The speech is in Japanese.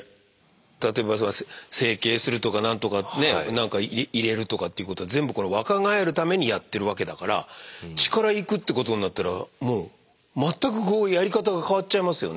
例えば整形するとか何とかね何か入れるとかっていうことは全部この若返るためにやってるわけだから血からいくってことになったらもう全くやり方が変わっちゃいますよね。